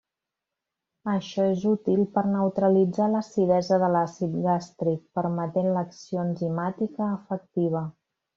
Això és útil per neutralitzar l'acidesa de l'àcid gàstric, permetent l'acció enzimàtica efectiva.